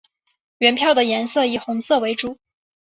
原票的颜色以红色为主。